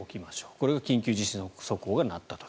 これが緊急地震速報が鳴った時。